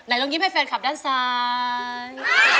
ลองยิ้มให้แฟนคลับด้านซ้าย